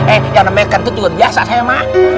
eh yang namanya kan tuh juga biasa saya mah